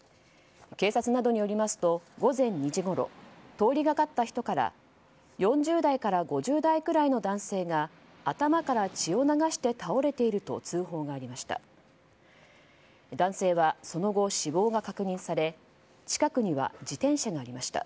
警察などによりますと午前２時ごろ通りがかった人から４０代から５０代ぐらいの男性が頭から血を流して倒れていると通報がありました。